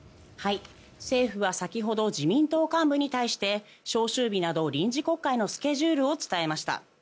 政府は先ほど自民党幹部に対して召集日など臨時国会のスケジュールを伝えました。